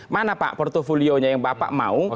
mana pak portfolionya yang bapak mau